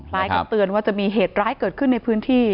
คล้ายกับเตือนว่าจะมีเหตุร้ายเกิดขึ้นในพื้นที่